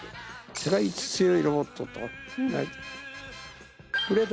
世界一強いロボットと。